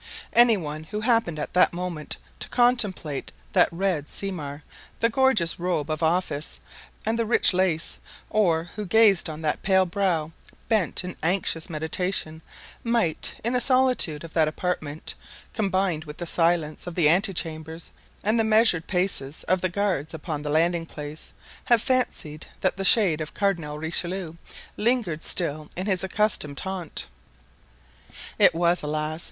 Any one who happened at that moment to contemplate that red simar—the gorgeous robe of office—and the rich lace, or who gazed on that pale brow, bent in anxious meditation, might, in the solitude of that apartment, combined with the silence of the ante chambers and the measured paces of the guards upon the landing place, have fancied that the shade of Cardinal Richelieu lingered still in his accustomed haunt. It was, alas!